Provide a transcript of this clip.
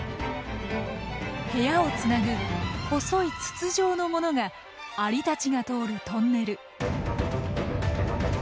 部屋をつなぐ細い筒状の物がアリたちが通るトンネル。